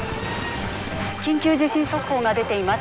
緊急地震速報が出ています。